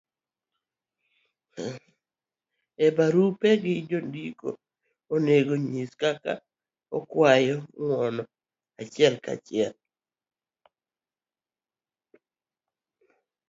e barupe gi, jandiko onego nyis kaka okwayo ng'uono achiel ka chiel,